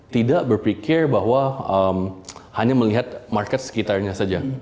tidak berpikir bahwa hanya melihat market sekitarnya saja